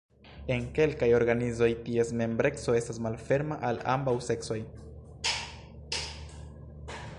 En kelkaj organizoj, ties membreco estas malferma al ambaŭ seksoj.